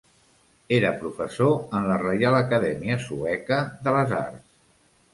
Era professor en la Reial Acadèmia Sueca de les Arts.